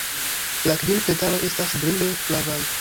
La kvin petaloj estas brile flavaj.